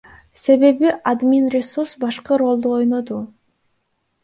Себеби админресурс башкы ролду ойноду.